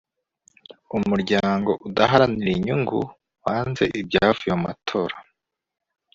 Umuryango udaharanira inyungu wanze ibyavuye mumatora.